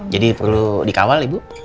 jadi perlu dikawal ibu